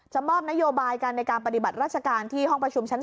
มอบนโยบายกันในการปฏิบัติราชการที่ห้องประชุมชั้น๓